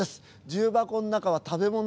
重箱の中は食べ物。